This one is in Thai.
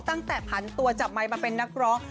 ตั้งแต่ผันตัวจับไมค์มาเป็นนักร้อง